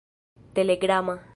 telegrama